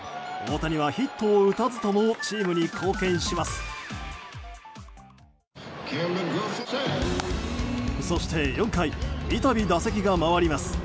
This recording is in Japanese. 大谷はヒットを打たずともチームに貢献します。